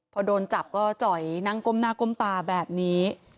พอโดนจับก็จ่อยนั่งก้มหน้าก้มตาแบบนี้